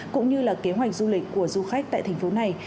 cũng như là kế hoạch du lịch của du khách tại thành phố này